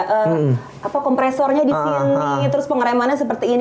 kayak kompresornya disini terus pengeremannya seperti ini